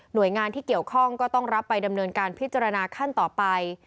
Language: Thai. โดยงานที่เกี่ยวข้องก็ต้องรับไปดำเนินการพิจารณาขั้นต่อไป